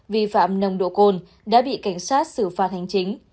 vi phạm nồng độ cồn đã bị cảnh sát xử phạt hành chính